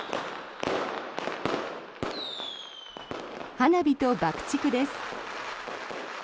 花火と爆竹です。